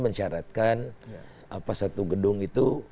menyarankan satu gedung itu